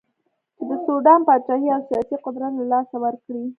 چې د سوډان پاچهي او سیاسي قدرت له لاسه ورکړي.